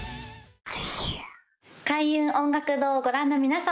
開運音楽堂をご覧の皆様